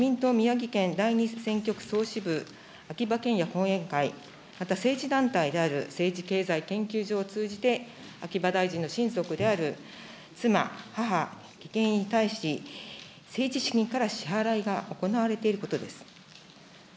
この問題は自民党宮城県第２次選挙区総支部、秋葉賢也後援会、また政治団体である政治経済研究所を通じて秋葉大臣の親族である妻、母、義兄に対し、政治資金から支払いが行われていることです。